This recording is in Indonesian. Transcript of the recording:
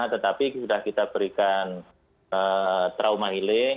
tetapi sudah kita berikan trauma healing